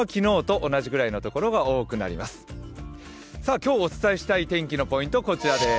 今日、お伝えしたい天気のポイントはこちらです。